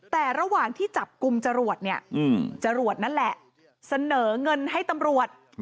แต่ระหว่างที่จับกลุ่มจรวดเนี่ยจรวดนั่นแหละเสนอเงินให้ตำรวจ